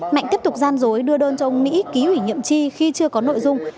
mạnh tiếp tục gian dối đưa đơn cho ông mỹ ký ủy nhiệm tri khi chưa có nội dung